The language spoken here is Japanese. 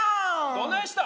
どないした？